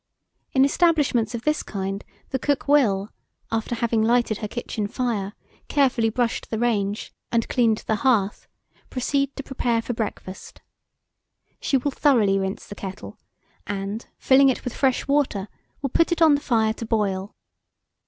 In establishments of this kind, the cook will, after having lighted her kitchen fire, carefully brushed the range, and cleaned the hearth, proceed to prepare for breakfast. She will thoroughly rinse the kettle, and, filling it with fresh water, will put it on the fire to boil.